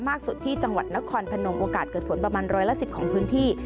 สุดที่จังหวัดนครพนมโอกาสเกิดฝนประมาณร้อยละ๑๐ของพื้นที่